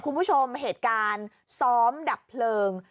คุณผู้ชมเหตุการณ์ซ้อมดับเพลิง